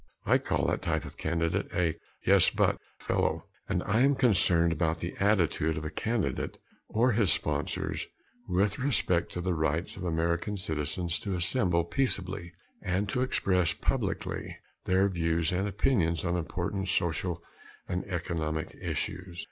I call that type of candidate a "yes, but" fellow. And I am concerned about the attitude of a candidate or his sponsors with respect to the rights of American citizens to assemble peaceably and to express publicly their views and opinions on important social and economic issues.